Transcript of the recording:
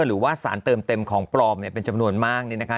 หรือว่าสารเติมเต็มของปลอมเป็นจำนวนมาก